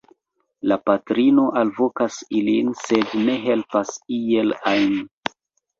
La patrino alvokas ilin, sed ne helpas iel ajn.